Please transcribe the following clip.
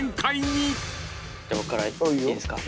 僕からいいですか？